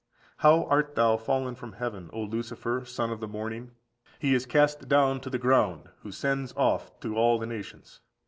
How art thou fallen from heaven, O Lucifer, son of the morning!14401440 Lit., that risest early. He is cast down to the ground who sends off to all the nations.